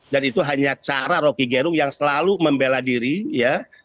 dan itu hanya cara rokigerung yang selalu membela diri ya